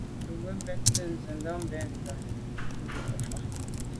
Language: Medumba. Be ke mbé’te nsindà ben njon lé’njù fa.